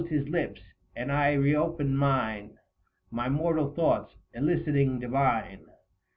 11 He closed his lips, and I re opened mine, 270 My mortal thoughts eliciting divine.